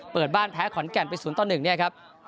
เปิดบ้านแพ้ขอนแก่นไปศูนย์ตอนหนึ่งเนี่ยครับ